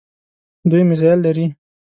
دوی میزایل لري.